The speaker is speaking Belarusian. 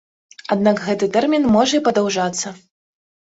Аднак гэты тэрмін можа і падаўжацца.